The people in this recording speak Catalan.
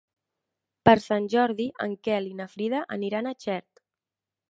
Per Sant Jordi en Quel i na Frida aniran a Xert.